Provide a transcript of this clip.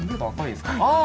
ああ！